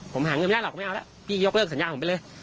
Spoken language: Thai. ผมหาเงินไม่ได้หรอกไม่เอาแล้วพี่ยกเลิกสัญญาผมไปเลย